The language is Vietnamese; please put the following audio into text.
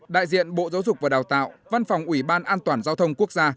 đại diện bộ giáo dục và đào tạo văn phòng ủy ban an toàn giao thông quốc gia